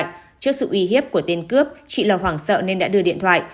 trước sự uy hiếp của tiền cướp chị lttl hoảng sợ nên đã đưa điện thoại